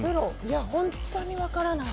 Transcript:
本当に分からない。